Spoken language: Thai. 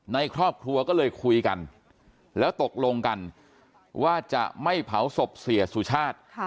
ในครอบครัวก็เลยคุยกันแล้วตกลงกันว่าจะไม่เผาศพเสียสุชาติ